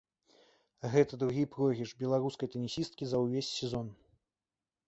Гэта другі пройгрыш беларускай тэнісісткі за ўвесь сезон.